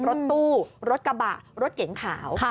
รถตู้รถกระบะรถเก๋งขาว